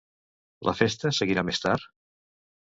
La festa seguirà més tard?